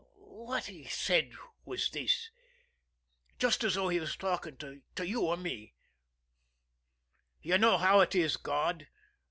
"What he said was this, just as though he was talking to you or me: 'You know how it is, God.